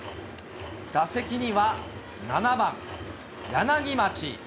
打席には７番柳町。